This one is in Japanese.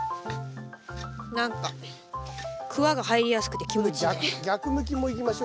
何かクワが入りやすくて気持ちいい。